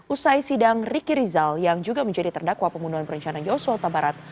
usai sidang ricky rizal yang juga menjadi terdakwa pembunuhan perencanaan yosua kota barat